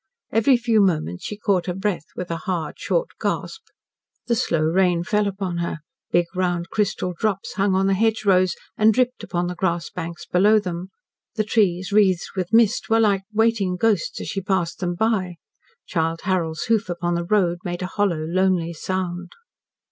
Every few moments she caught her breath with a hard short gasp. The slow rain fell upon her, big round, crystal drops hung on the hedgerows, and dripped upon the grass banks below them; the trees, wreathed with mist, were like waiting ghosts as she passed them by; Childe Harold's hoof upon the road, made a hollow, lonely sound.